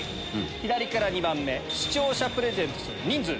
左から２番目視聴者プレゼントする人数。